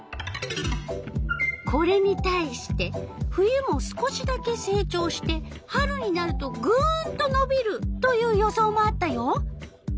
これに対して冬も少しだけ成長して春になるとぐんとのびるという予想もあったよ。